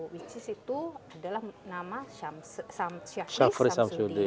which is itu adalah nama syafri samsyuti